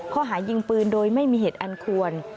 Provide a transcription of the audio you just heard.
ข้อหายิงปืนโดยไม่มีเหตุอันควร